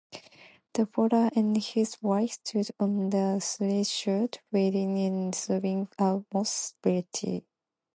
The potter and his wife stood on the threshold weeping and sobbing most bitterly.